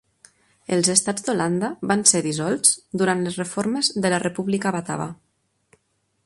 Els estats d'Holanda van ser dissolts durant les reformes de la República batava.